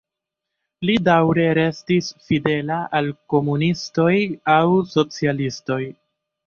Li daŭre restis fidela al komunistoj aŭ socialistoj.